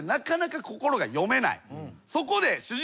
そこで。